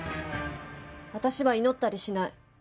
私は祈ったりしない。